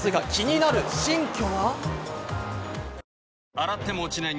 洗っても落ちない